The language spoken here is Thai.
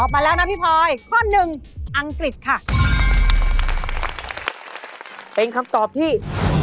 เป็นคำตอบที่